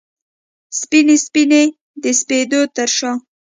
سپینې، سپینې د سپېدو ترشا